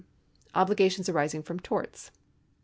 Obligations arising from Torts.